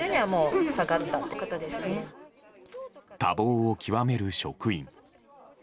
多忙を極める職員。